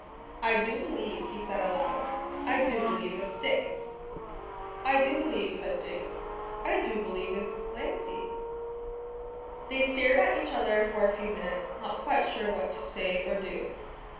"I do believe," he said aloud, "I do believe it's Dick." "I do believe," said Dick. "I do believe it's Lancey." They stared at each other for a few minutes, not quite sure what to say or do.